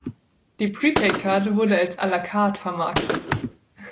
Die Prepaidkarten wurden als "a la Carte" vermarktet.